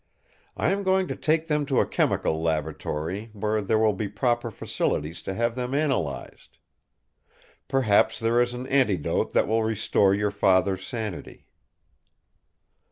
I am going to take them to a chemical laboratory where there will be proper facilities to have them analyzed. Perhaps there is an antidote that will restore your father's sanity."